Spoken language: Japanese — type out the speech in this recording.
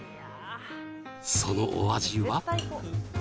そのお味は？